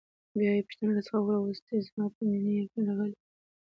بیا یې پوښتنه راڅخه وکړه: اوس دې زما پر مینې یقین راغلی؟